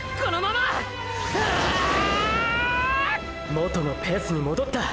もとのペースに戻った！！